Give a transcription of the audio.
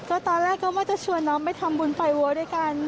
ก็ตอนแรกก็ว่าจะชวนน้องไปทำบุญไฟวัวด้วยกัน